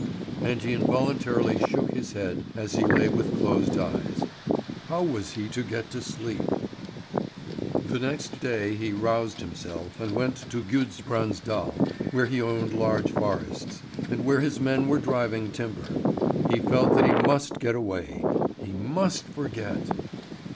And he involuntarily shook his head as he lay with closed eyes. How was he to get to sleep? The next day he roused himself and went up to Gudbrandsdal where he owned large forests, and where his men were driving timber. He felt that he must get away he must forget.